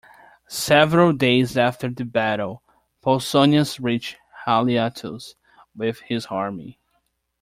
Several days after the battle, Pausanias reached Haliartus with his army.